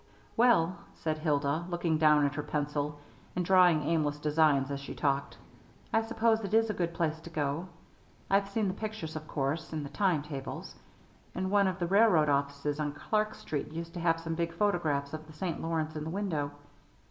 "Well," said Hilda, looking down at her pencil and drawing aimless designs as she talked, "I suppose it is a good place to go. I've seen the pictures, of course, in the time tables; and one of the railroad offices on Clark Street used to have some big photographs of the St. Lawrence in the window.